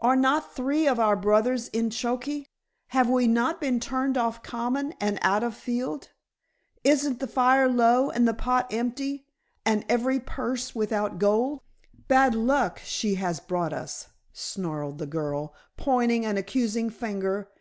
Are not three of our brothers in choky? have we not been turned off common and out of field? Isn't the fire low and the pot empty, and every purse without gold? Bad luck she has brought us," snarled the girl, pointing an accusing finger.